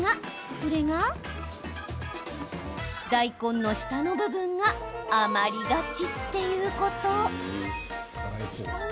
それが大根の下の部分が余りがちっていうこと。